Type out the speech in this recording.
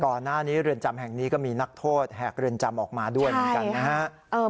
ก่อนหน้านี้เรือนจำแห่งนี้ก็มีนักโทษแหกเรือนจำออกมาด้วยเหมือนกันนะครับ